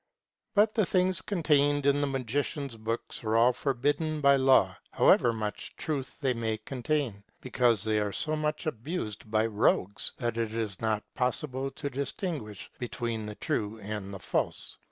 But the things contained in the magicians' books are all forbidden by law, however much truth they may contain ; because they are so much abused by rogues that it is not possible to dis tinguish between the true and the false.